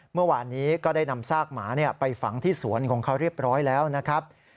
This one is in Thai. เมื่อวานนี้ก็ได้นำซากหมาไปฝังที่สวนของเขาเรียบร้อยแล้วนะครับ